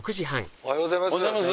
おはようございます。